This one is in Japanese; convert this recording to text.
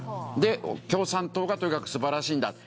で共産党がとにかくすばらしいんだ。